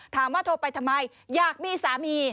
ถามว่าโทรไปทำไมอยากมีสามี